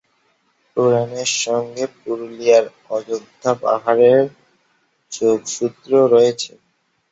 পুরাণের সঙ্গে পুরুলিয়ার অযোধ্যা পাহাড়ের যোগসূত্র রয়েছে।